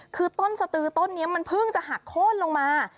คือต้นสตือต้นนี้มันเพิ่งจะหักโค้นลงมา